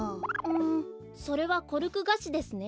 んそれはコルクガシですね。